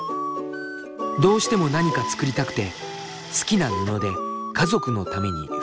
どうしても何か作りたくて好きな布で家族のために服を縫った。